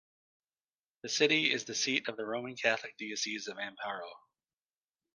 The city is the seat of the Roman Catholic Diocese of Amparo.